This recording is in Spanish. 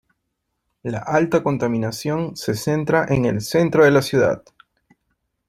La alta contaminación se centra en el centro de la ciudad.